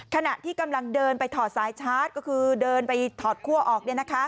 ขณะที่กำลังเดินไปถอดสายชาร์จก็คือเดินไปถอดคั่วออก